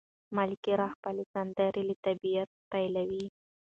ملکیار خپله سندره له طبیعته پیلوي.